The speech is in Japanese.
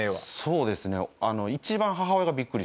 そうですね。